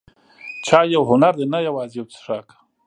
چای یو هنر دی، نه یوازې یو څښاک.